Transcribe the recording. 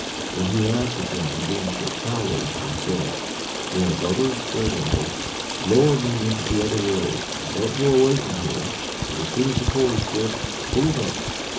Then he laughed at them for being such cowards, and said: "Well, brothers, farewell! Lower me into the other world, and don't go away from here, but as soon as the cord is jerked, pull it up."